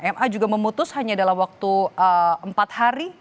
ma juga memutus hanya dalam waktu empat hari